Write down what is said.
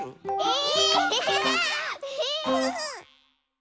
え！